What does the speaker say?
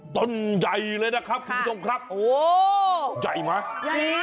ต้นใหญ่เลยนะครับคุณผู้ชมครับใหญ่มั้ยใหญ่มาก